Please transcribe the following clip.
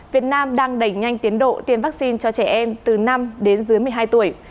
việt nam đang đẩy nhanh tiến độ tiêm vaccine cho trẻ em từ năm đến dưới một mươi hai tuổi